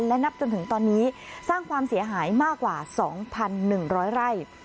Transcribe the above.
และนับจนถึงตอนนี้สร้างความเสียหายมากกว่าสองพันหนึ่งร้อยไร่